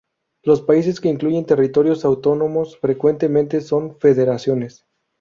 Los países que incluyen territorios autónomos frecuentemente son federaciones.